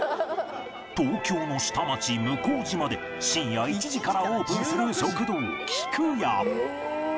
東京の下町向島で深夜１時からオープンする食堂キクヤ